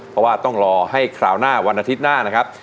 เพราะว่าต้องรอให้คราวหน้าวันอาทิตย์หน้านะครับ